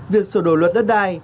việc sửa đổi luật đất đai